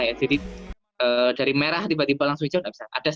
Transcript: jadi dari merah tiba tiba langsung hijau tidak bisa